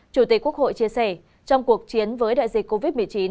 chủ tịch quốc hội chia sẻ trong cuộc chiến với đại dịch covid một mươi chín